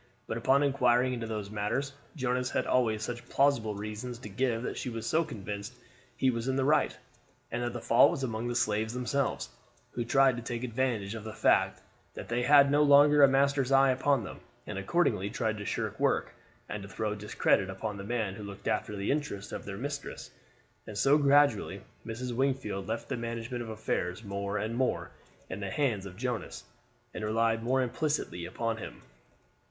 But upon inquiring into these matters, Jonas had always such plausible reasons to give that she was convinced he was in the right, and that the fault was among the slaves themselves, who tried to take advantage of the fact that they had no longer a master's eye upon them, and accordingly tried to shirk work, and to throw discredit upon the man who looked after the interests of their mistress; and so gradually Mrs. Wingfield left the management of affairs more and more in the hands of Jonas, and relied more implicitly upon him.